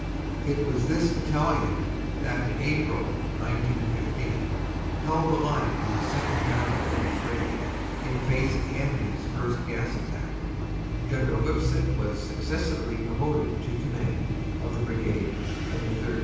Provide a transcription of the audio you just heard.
It was this battalion that in April, 1915, held the line in the BATTLE PIECES 325 Second Battle of Ypres in face of the enemy s first gas attack. General Lipsett was successively promoted to command of the Brigade and the 3rd.